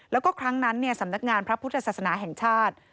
แล้วก็ครั้งนั้นสำนักงานพระพุทธศาสนาแห่งชาติ